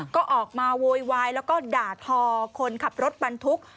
ก็ออกมาโวยวายแล้วก็ด่าทอคนขับรถบรรทุก